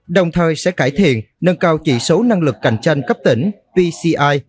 đồng thời sẽ cải thiện nâng cao chỉ số năng lực cạnh tranh cấp tỉnh pci